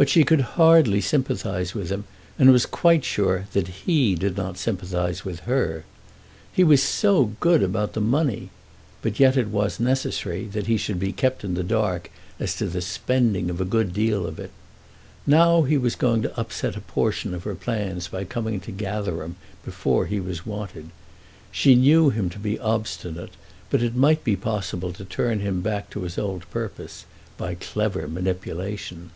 But she could hardly sympathise with him, and was quite sure that he did not sympathise with her. He was so good about the money! But yet it was necessary that he should be kept in the dark as to the spending of a good deal of it. Now he was going to upset a portion of her plans by coming to Gatherum before he was wanted. She knew him to be obstinate, but it might be possible to turn him back to his old purpose by clever manipulation.